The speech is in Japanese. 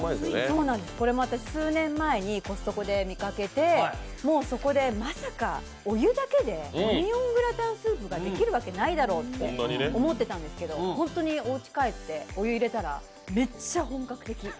これも私、数年前にコストコが見かけて、そこで、まさか、お湯だけで、オニオングラタンスープができるわけないだろうと思ってたんですけど本当におうち帰ってお湯入れたらめっちゃ本格的。